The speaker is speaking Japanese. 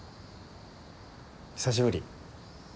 久しぶり。